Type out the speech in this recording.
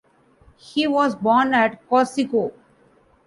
He was born at Corsico.